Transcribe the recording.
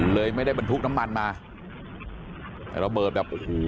เลยไม่ได้บรรทุกน้ำมันมา